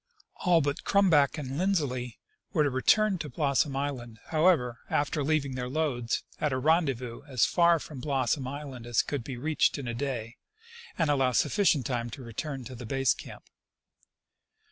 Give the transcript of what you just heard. All but Crumback and Lindsley were to return to Blossom island, however, after leaving their loads at a ren dezvous as far from Blossom island as could be reached in a day and allow sufficient time to return to the base camp.